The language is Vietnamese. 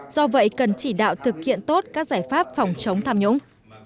do vậy cần chỉ đạo thực hiện tốt các giải pháp phòng chống tham nhũng